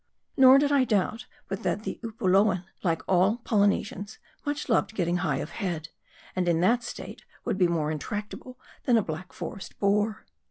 Nor did I doubt, but that the Upoluan, like all Poly nesians, much loved getting high of head ; and in that state, would be more intractable than a Black Forest boar.